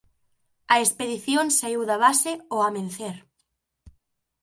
A expedición saíu da base ao amencer